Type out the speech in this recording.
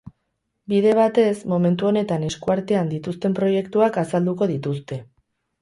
Bide batez, momentu honetan esku artean dituzten proiektuak azalduko dituzte.